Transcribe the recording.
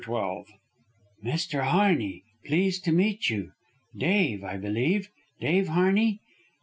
CHAPTER XII "Mr. Harney, pleased to meet you. Dave, I believe, Dave Harney?"